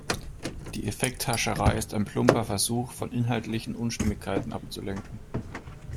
Die Effekthascherei ist ein plumper Versuch, von inhaltlichen Unstimmigkeiten abzulenken.